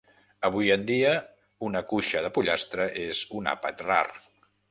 Avui en dia, una cuixa de pollastre és un àpat rar.